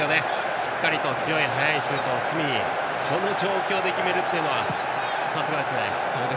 しっかり強い速いシュートを隅にこの状況で決めるというのはさすがですね。